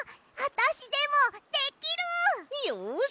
よし。